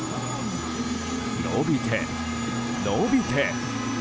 伸びて、伸びて。